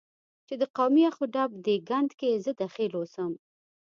چې د قومي اخ و ډب دې ګند کې زه دخیل اوسم،